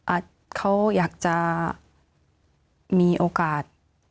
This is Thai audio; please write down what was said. เขาอยากจะมีโอกาส